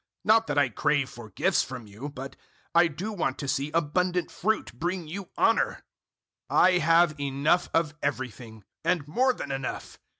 004:017 Not that I crave for gifts from you, but I do want to see abundant fruit bring you honour. 004:018 I have enough of everything and more than enough.